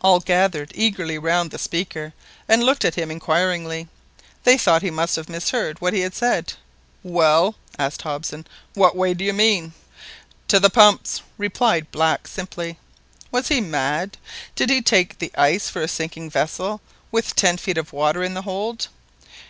All gathered eagerly round the speaker, and looked at him inquiringly. They thought they must have misheard what he said. "Well!" asked Hobson, "what way do you mean?" "To the pumps!" replied Black simply. Was he mad? Did he take the ice for a sinking vessel, with ten feet of water in the hold?